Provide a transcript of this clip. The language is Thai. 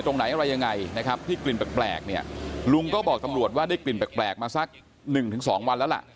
ตรงไหนอะไรยังไงนะครับที่กลิ่นแปลกเนี่ยลุงก็บอกตำรวจว่าได้กลิ่นแปลกมาสักหนึ่งถึงสองวันแล้วล่ะ